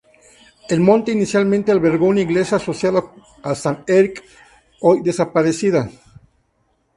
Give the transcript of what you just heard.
El monte inicialmente albergó una iglesia asociada a San Erc hoy desaparecida.